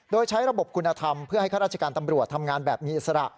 โดยใช้ระบบคุณธรรมเพื่อให้ข้าราชการตำรวจทำงานแบบมีอิสระ